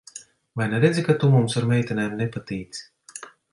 Vai neredzi, ka tu mums ar meitenēm nepatīc?